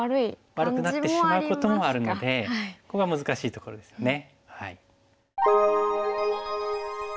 悪くなってしまうこともあるのでここが難しいところですよね。